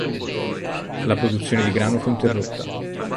La produzione di grano fu interrotta.